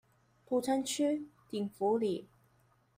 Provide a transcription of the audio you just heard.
土城區頂福里